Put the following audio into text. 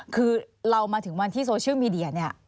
คือเรามาถึงวันที่โซเชียลมีเดียเนี่ย